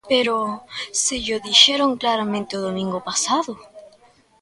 Pero ¡se llo dixeron claramente o domingo pasado!